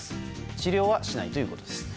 治療はしないということです。